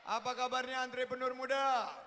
apa kabarnya antrepenur muda